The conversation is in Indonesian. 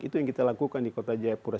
itu yang kita lakukan di kota jayapura